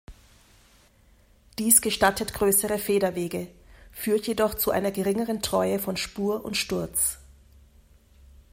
Dies gestattet größere Federwege, führt jedoch zu einer geringeren Treue von Spur und Sturz.